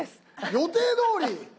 予定どおり？